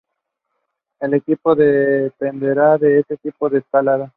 El equipo dependerá del tipo de escalada.